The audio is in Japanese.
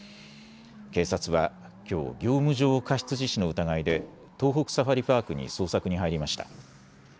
警察はきょう業務上過失致死の疑いで東北サファリパークに捜索に入りました。